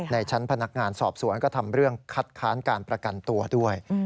ในชั้นพนักงานสอบสวนก็ทำเรื่องคัดค้านการประกันตัวด้วย